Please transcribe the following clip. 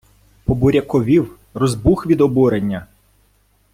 Побуряковів, розбух від обурення.